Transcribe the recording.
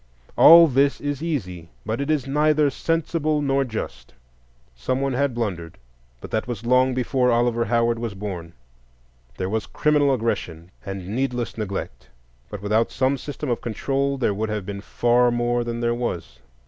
All this is easy, but it is neither sensible nor just. Someone had blundered, but that was long before Oliver Howard was born; there was criminal aggression and heedless neglect, but without some system of control there would have been far more than there was.